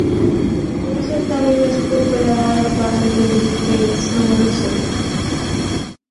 Quin és el camí més curt per anar al carrer de Briquets número set?